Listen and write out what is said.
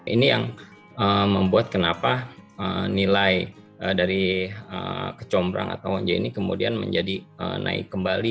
ini yang membuat kenapa nilai dari kecombrang atau onje ini kemudian menjadi naik kembali